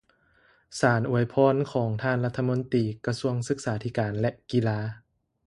ສານອວຍພອນຂອງທ່ານລັດຖະມົນຕີ ກະຊວງສຶກສາທິການ ແລະ ກິລາ